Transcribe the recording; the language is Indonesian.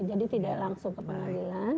jadi tidak langsung ke pengadilan